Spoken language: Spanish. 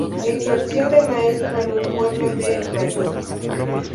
Ejerció de maestro en un pueblo de Mallorca.